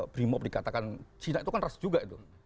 brimob dikatakan cina itu kan ras juga itu